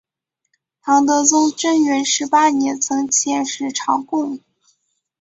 唐德宗贞元十八年曾遣使朝贡。